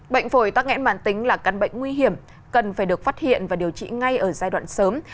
bệnh phổi tắc nghẽn mạng tính là căn bệnh nguy hiểm cần phải được phát hiện và điều trị ngay ở giai đoạn sớm